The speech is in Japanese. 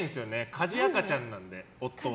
家事赤ちゃんなんで、夫は。